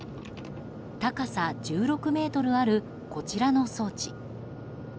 高さ１６ｍある、こちらの装置。